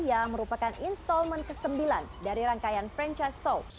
yang merupakan instalmen ke sembilan dari rangkaian franchise soul